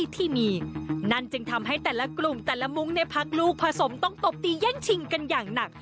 ทำให้แต่ละกลุ่มแต่ละมุงในพักลูกผสมต้องตบตีแย่งชิงกันอย่างหนัก